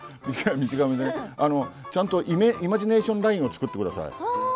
ちゃんとイマジネーションラインを作ってください。